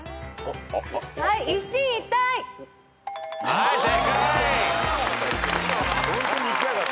はい正解。